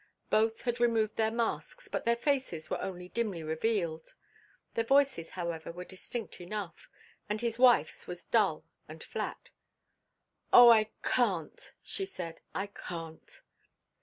Both had removed their masks, but their faces were only dimly revealed. Their voices, however, were distinct enough, and his wife's was dull and flat. "Oh, I can't," she said. "I can't."